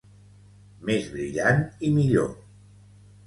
Més brillant i millor.